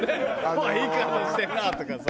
「おいいい体してんな！」とかさ。